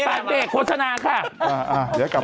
สัตว์เด็กโฆษณาค่ะ